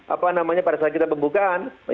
apa namanya pada saat kita pembukaan